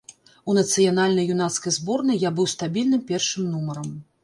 У нацыянальнай юнацкай зборнай я быў стабільным першым нумарам.